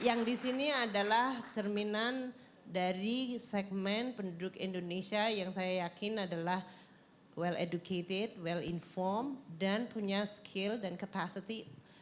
yang di sini adalah cerminan dari segmen penduduk indonesia yang saya yakin adalah well educated well informed dan punya skill dan capacity